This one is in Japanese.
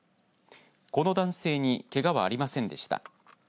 この男性にけがはありませんでした。